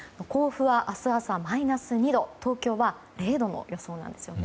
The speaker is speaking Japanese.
甲府は明日朝、マイナス２度東京は０度の予想なんです。